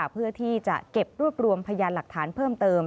เพื่อที่จะเก็บรวบรวมพยานหลักฐานเพิ่มเติม